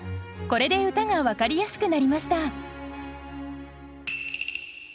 これで歌が分かりやすくなりました。